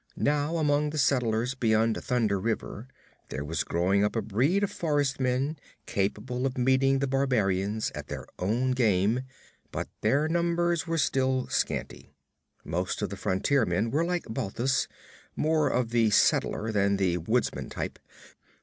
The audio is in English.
Now among the settlers beyond Thunder River there was growing up a breed of forest men capable of meeting the barbarians at their own game, but their numbers were still scanty. Most of the frontiersmen were like Balthus more of the settler than the woodsman type.